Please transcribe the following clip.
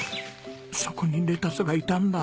そこにレタスがいたんだ。